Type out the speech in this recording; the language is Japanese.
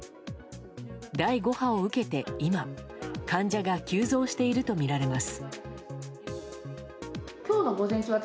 第５波を受けて、今患者が急増しているとみられます。